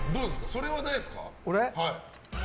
それはないですか？